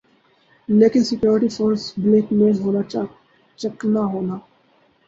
لیکن security force blackmail ہونا چکنا ہونا